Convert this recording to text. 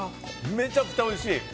めちゃくちゃおいしい！